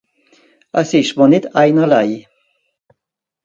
Es ìsch mìr nìtt einerlei.